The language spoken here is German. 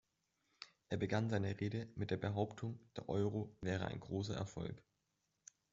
Er begann seine Rede mit der Behauptung, der Euro wäre ein großer Erfolg.